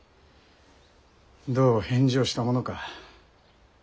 どう返事をしたものか。